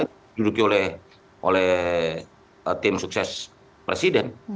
itu dihidupi oleh tim sukses presiden